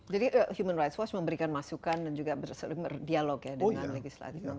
jadi human rights world memberikan masukan dan juga berserumur dialog ya dengan legislatif mengenai